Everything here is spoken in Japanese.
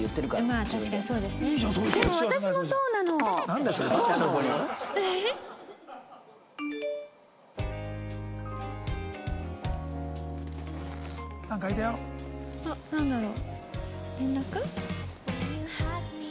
「あっなんだろう？」